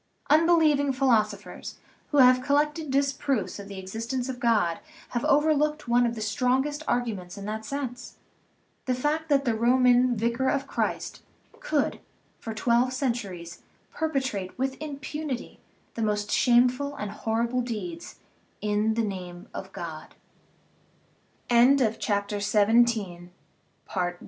Unbelieving philosophers, who have collected disproofs of the existence of God, have overlooked one of the strongest arguments in that sense the fact that the Roman " Vicar of Christ " could for twelve centu ries perpetrate with impunity the most shameful and horrible deeds "in